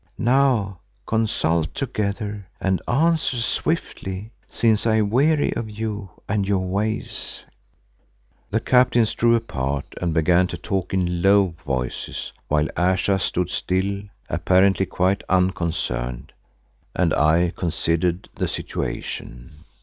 Now consult together and answer swiftly, since I weary of you and your ways." The captains drew apart and began to talk in low voices, while Ayesha stood still, apparently quite unconcerned, and I considered the situation.